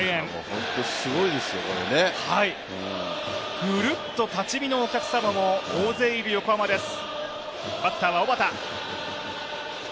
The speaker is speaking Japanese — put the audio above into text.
本当にすごいですよ、これねぐるっと立ち見のお客様も大勢いる横浜です。